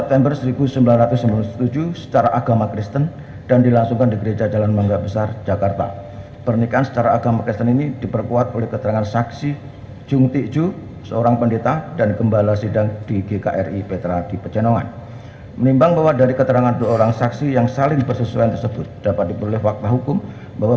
pertama penggugat akan menerjakan waktu yang cukup untuk menerjakan si anak anak tersebut yang telah menjadi ilustrasi